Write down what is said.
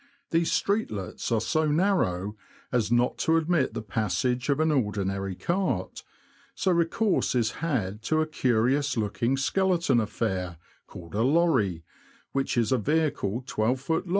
These streetlets are so narrow as not to admit the passage of an ordinary cart, so recourse is had to a curious looking skeleton affair, called a " lorrie,'' which is a vehicle 12ft.